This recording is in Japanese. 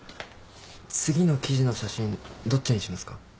次の記事の写真どっちにしますか？